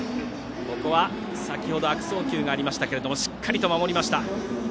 先ほど悪送球がありましたがしっかり守りました。